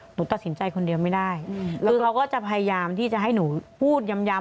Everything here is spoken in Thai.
หนูตัดสินใจคนเดียวไม่ได้คือเขาก็จะพยายามที่จะให้หนูพูดย้ำ